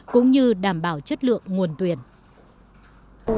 cũng như đảm bảo chất lượng ngành